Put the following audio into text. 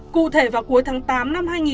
cụ thể vào cuối tháng tám năm hai nghìn hai mươi